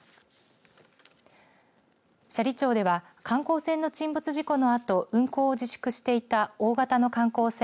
斜里町では観光船の沈没事故のあと運航を自粛していた大型の観光船